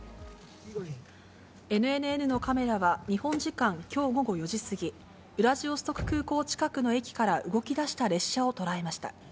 ＮＮＮのカメラは日本時間きょう午後４時過ぎ、ウラジオストク空港近くの駅から動きだした列車を捉えました。